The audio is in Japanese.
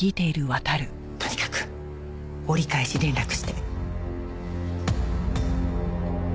とにかく折り返し連絡して。